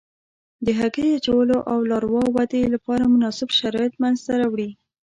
د هګۍ اچولو او لاروا ودې لپاره مناسب شرایط منځته راوړي.